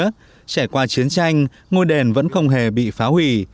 trải qua chiến tranh ngôi đền vẫn không hề bị phá hủy